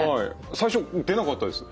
最初出なかったです。